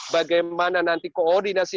bagaimana nanti koordinasi